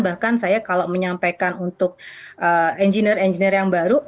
bahkan saya kalau menyampaikan untuk engineer engineer yang baru